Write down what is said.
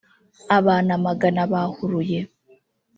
Abantu amagana bahuruye